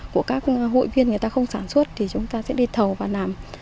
của các hội viên người ta không sản xuất thì chúng ta sẽ đi thầu và làm